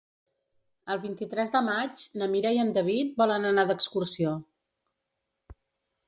El vint-i-tres de maig na Mira i en David volen anar d'excursió.